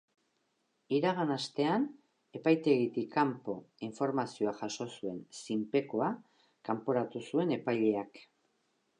Iragan astean, epaitegitik kanpo informazioa jaso zuen zinpekoa kanporatu zuen epaileak.